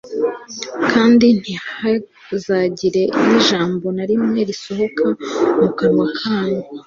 kandi ntihazagire n'ijambo na rimwe risohoka mu kanwa kanyu